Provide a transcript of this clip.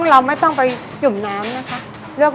เราไม่ต้องไปจุ่มน้ำนะคะ